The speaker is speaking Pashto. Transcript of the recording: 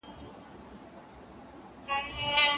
دا د شریعت خلاف عمل دی.